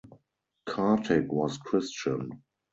Kartik was Christian.